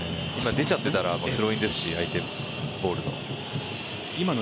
出ちゃってたらスローインですし相手ボールの。